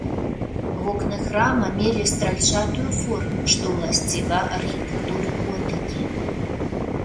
Вокны храма мелі стральчатую форму, што ўласціва архітэктуры готыкі.